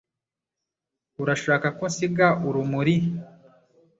Urashaka ko nsiga urumuri?